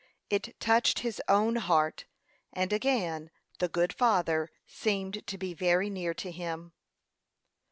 It touched his own heart, and again the good Father seemed to be very near to him.